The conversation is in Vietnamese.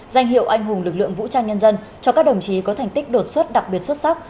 danh hiệu anh hùng lực lượng vũ trang nhân dân cho các đồng chí có thành tích đột xuất đặc biệt xuất sắc